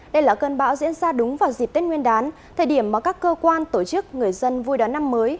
đây là cơn bão diễn ra đúng vào dịp tết nguyên đán thời điểm mà các cơ quan tổ chức người dân vui đón năm mới